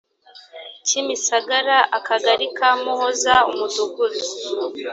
kimisagara akagali kamuhoza umudugudu